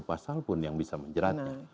pasal pun yang bisa menjeratnya